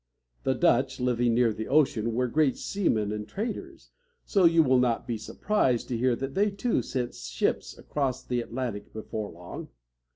The Dutch, living near the ocean, were great seamen and traders, so you will not be surprised to hear that they, too, sent ships across the Atlantic before long.